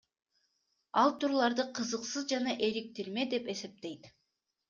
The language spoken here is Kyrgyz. Ал турларды кызыксыз жана эриктирме деп эсептейт.